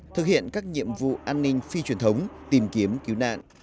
thực hiện các nhiệm vụ an ninh phi truyền thống tìm kiếm cứu nạn